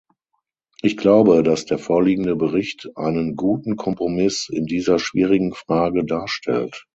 Ich glaube, dass der vorliegende Bericht einen guten Kompromiss in dieser schwierigen Frage darstellt.